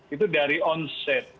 itu dari onset